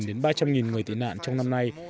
từ hai mươi đến ba trăm linh người tị nạn trong năm nay